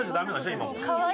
今。